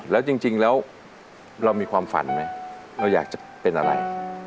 แล้วจริงแล้วเรามีความฝันไหมเราอยากจะเป็นอะไร